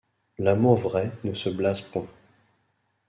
L’amour vrai ne se blase point.